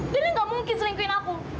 dan dia enggak mungkin seringkuin aku